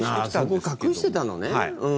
そこ、隠してたのね。